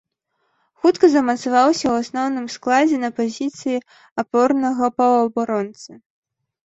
Хутка замацаваўся ў асноўным складзе на пазіцыі апорнага паўабаронцы.